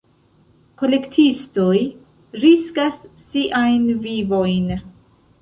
Kolektistoj riskas siajn vivojn.